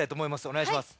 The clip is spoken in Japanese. おねがいします。